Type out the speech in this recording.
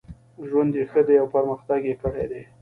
ژوند یې ښه دی او پرمختګ یې کړی دی.